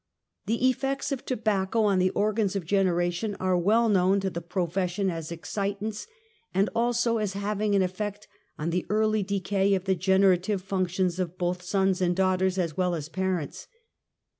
The effects of tobacco on the organs of generation are well known to the profession as excitants, and also as having an effect on the early decay of the i generative functions of both sons and daughters, as ^ well as parents.